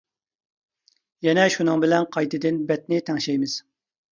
يەنە شۇنىڭ بىلەن قايتىدىن بەتنى تەڭشەيمىز.